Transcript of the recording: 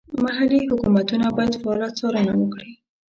محلي حکومتونه باید فعاله څارنه وکړي.